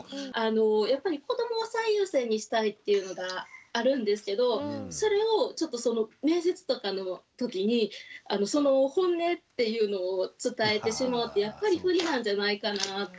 やっぱり子どもを最優先にしたいっていうのがあるんですけどそれをちょっと面接とかのときにその本音っていうのを伝えてしまうってやっぱり不利なんじゃないかなと。